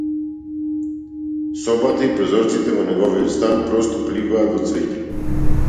Собата и прозорците во неговиот стан просто пливаат во цвеќе.